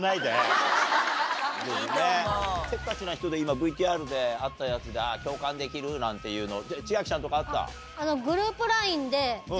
せっかちな人で今ＶＴＲであったやつで共感できるなんていうの千秋ちゃんとかあった？